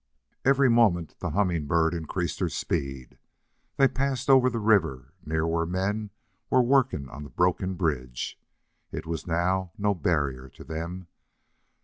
Every moment the Humming Bird increased her speed. They passed over the river near where men were working on the broken bridge. It was now no barrier to them.